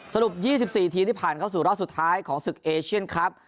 สรุป๒๔ทีมที่ผ่านเข้าสู่รอบสุดท้ายของศึกเอเชียนครับ